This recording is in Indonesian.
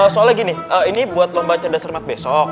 soalnya gini ini buat lo baca dasar mat besok